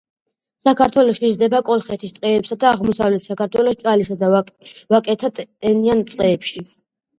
საქართველოში იზრდება კოლხეთის ტყეებსა და აღმოსავლეთ საქართველოს ჭალისა და ვაკეთა ტენიან ტყეებში.